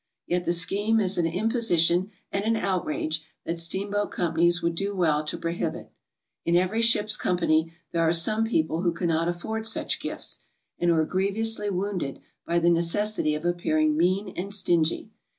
Yet the scheme is an imposition and an outrage that steamboat com panies would do well to prohibit. In every ship's company there are some people who cannot afford such gifts, and who are grievously wounded by the necessity of appearing mean and stingy.